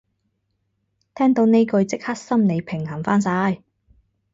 聽到呢句即刻心理平衡返晒